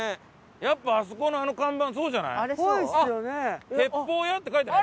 やっぱあそこのあの看板そうじゃない？